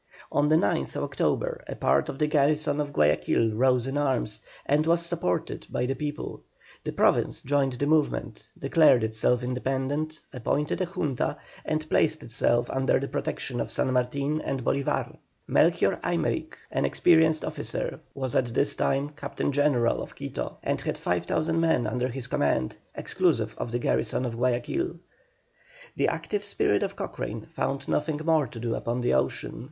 On the 9th October a part of the garrison of Guayaquil rose in arms, and was supported by the people. The Province joined the movement, declared itself independent, appointed a Junta, and placed itself under the protection of San Martin and Bolívar. Melchor Aymerich, an experienced officer, was at this time Captain General of Quito, and had 5,000 men under his command, exclusive of the garrison of Guayaquil. The active spirit of Cochrane found nothing more to do upon the ocean.